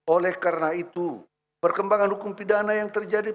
oleh karena itu perkembangan hukum pidana yang terjadi